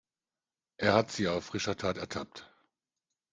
Er hat sie auf frischer Tat ertappt.